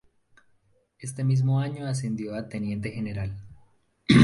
Este mismo año ascendió a teniente general.